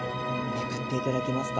めくっていただけますか？